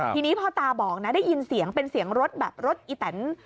ทีนี้พ่อตาบอกนะได้ยินเสียงเป็นเสียงรถแบบรถอีแตน